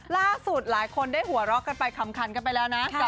ล่าสุดหลายคนได้หัวเราะกันไปคำขันกันไปแล้วนะ